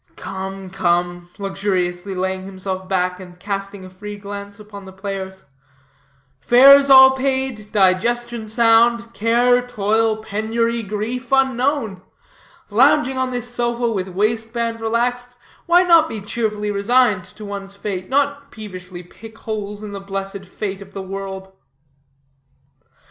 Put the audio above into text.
"Come, come," luxuriously laying himself back, and casting a free glance upon the players, "fares all paid; digestion sound; care, toil, penury, grief, unknown; lounging on this sofa, with waistband relaxed, why not be cheerfully resigned to one's fate, nor peevishly pick holes in the blessed fate of the world?"